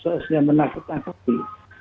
sosial media menakut nakuti